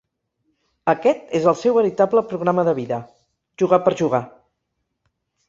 Aquest és el seu veritable programa de vida, jugar per jugar.